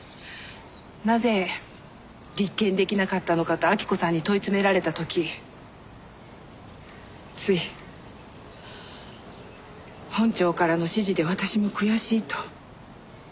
なぜ立件出来なかったのかと晃子さんに問い詰められた時つい本庁からの指示で私も悔しいと。